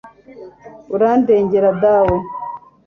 urandengera dawe